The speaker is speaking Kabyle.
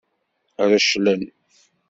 Reclen.